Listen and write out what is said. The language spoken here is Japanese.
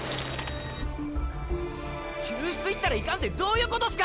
救出行ったらいかんてどういうことすか！